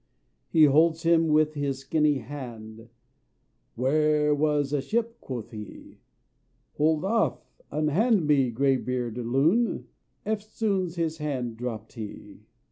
He holds him with his skinny hand, "There was a ship," quoth he. "Hold off! unhand me, grey beard, loon!" Eftsoons his hand dropt he.